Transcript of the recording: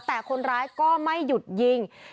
แต่คนร้ายก็ไม่หยุดยิง